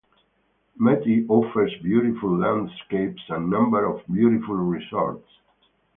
Mati offers beautiful landscapes and a number of beautiful resorts.